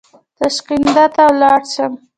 تاشکند ته ولاړ شم.